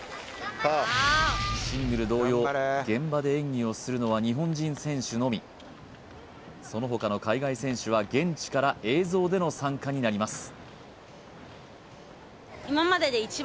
シングル同様現場で演技をするのは日本人選手のみその他の海外選手は現地から映像での参加になります